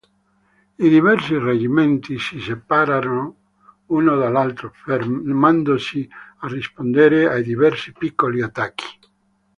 I diversi reggimenti si separarono uno dall'altro, fermandosi a rispondere ai diversi piccoli attacchi.